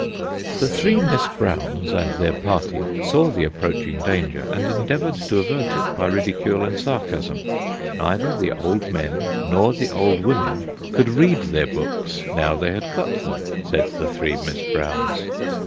The three Miss Browns, and their party, saw the approaching danger, and endeavoured to avert it by ridicule and sarcasm. Neither the old men nor the old women could read their books, now they had got them, said the three Miss Browns.